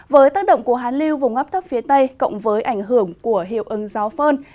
với tác động của hán lưu vùng ấp thấp phía tây cộng với ảnh hưởng của hiệu ứng gió phơn